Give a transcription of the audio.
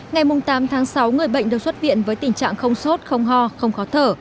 ngày tám tháng sáu người bệnh được xuất viện với tình trạng không sốt không ho không khó thở